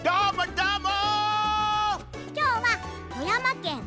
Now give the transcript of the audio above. どーも！